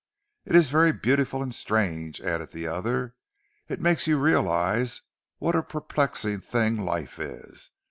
"It is very beautiful and strange," added the other. "It makes you realize what a perplexing thing life is.